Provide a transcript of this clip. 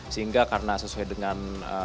sehingga karena sesuai dengan